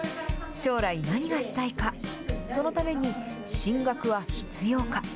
将来何がしたいか、そのために進学は必要か。